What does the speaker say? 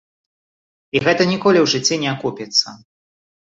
І гэта ніколі ў жыцці не акупіцца.